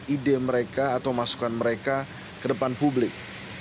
ide mereka atau masukan mereka ke depan publik